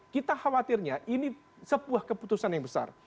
kita khawatirnya ini sebuah keputusan yang besar